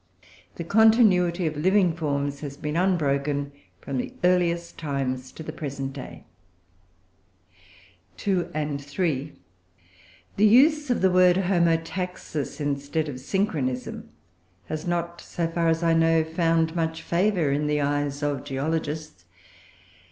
The continuity of living forms has been unbroken from the earliest times to the present day. 2, 3. The use of the word "homotaxis" instead of "synchronism" has not, so far as I know, found much favour in the eyes of geologists.